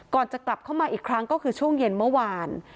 จะกลับเข้ามาอีกครั้งก็คือช่วงเย็นเมื่อวาน